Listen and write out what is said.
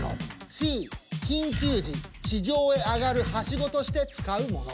「Ｃ」緊急時地上へ上がるはしごとして使うもの。